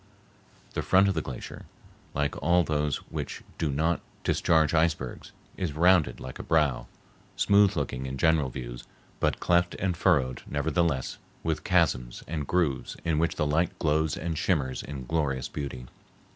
The front of the glacier, like all those which do not discharge icebergs, is rounded like a brow, smooth looking in general views, but cleft and furrowed, nevertheless, with chasms and grooves in which the light glows and shimmers in glorious beauty.